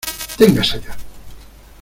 ¡ ténganse allá!